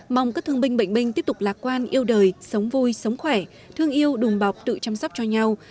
mong các thương binh bệnh binh tiếp tục lạc quan yêu đời sống vui sống khỏe thương yêu đùm bọc tự chăm sóc cho nhau